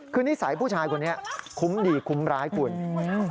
คือนิสัยผู้ชายคนนี้คุ้มดีคุ้มร้ายคุณ